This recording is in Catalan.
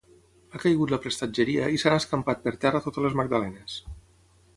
Ha caigut la prestatgeria i s'han escampat per terra totes les magdalenes